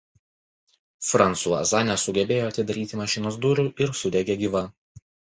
Fransuaza nesugebėjo atidaryti mašinos durų ir sudegė gyva.